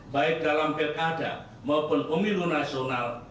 baik dalam pilkada maupun pemilu nasional